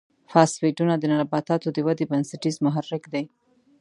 فاسفیټونه د نباتاتو د ودې بنسټیز محرک دی.